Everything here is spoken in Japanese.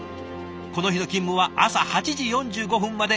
この日の勤務は朝８時４５分まで。